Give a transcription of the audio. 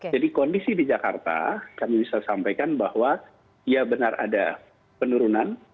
jadi kondisi di jakarta kami bisa sampaikan bahwa ya benar ada penurunan